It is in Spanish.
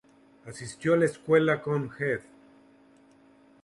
Asistió a la escuela con Heath.